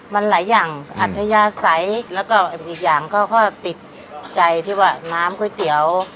มันหลายอย่างอัธยาศัยแล้วก็อีกอย่างเขาก็ติดใจที่ว่าน้ำก๋วยเตี๋ยว